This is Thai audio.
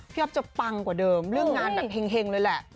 อ๊อฟจะปังกว่าเดิมเรื่องงานแบบเห็งเลยแหละ